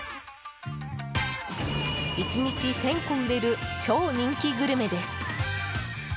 １日１０００個売れる超人気グルメです。